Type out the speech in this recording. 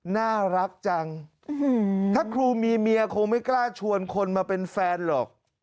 น่ารักจังถ้าครูมีเมียคงไม่กล้าชวนคนมาเป็นแฟนหรอก